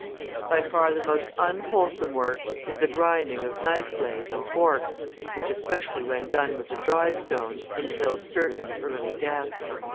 By far the most unwholesome work is the grinding of knife blades and forks, which, especially when done with a dry stone, entails certain early death.